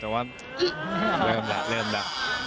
แต่ว่าเริ่มแล้วเริ่มแล้ว